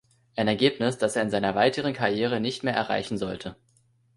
Ein Ergebnis, das er in seiner weiteren Karriere nicht mehr erreichen sollte.